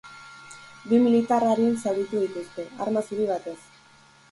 Bi militar arin zauritu dituzte, arma zuri batez.